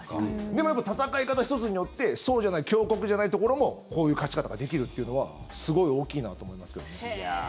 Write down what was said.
でもやっぱり戦い方１つによってそうじゃない強国じゃないところもこういう勝ち方ができるっていうのはすごい大きいなと思いますけどね。